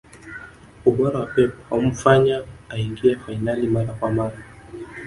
ubora wa pep haumfanya aingie fainali mara kwa mara